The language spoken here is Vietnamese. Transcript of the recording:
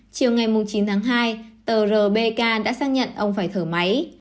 chiều ngày chín tháng hai tờ rbk đã xác nhận ông phải thở máy